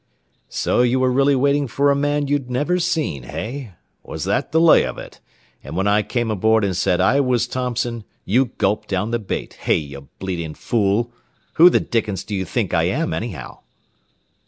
"So you were really waiting for a man you'd never seen, hey? Was that the lay of it? And when I came aboard and said I was Thompson, you gulped down the bait, hey, you bleeding fool. Who the dickens do you think I am, anyhow?"